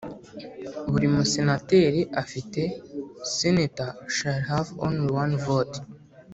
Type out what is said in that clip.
buri Musenateri afite Senator shall have only one vote